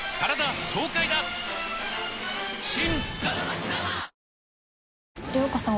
新！